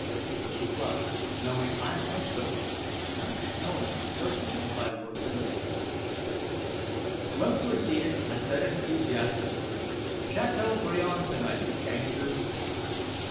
She flushed, knowing I was sober, not knowing certainly if I were serious. When we were seated, I said enthusiastically, "Chateaubriand tonight, gangsters."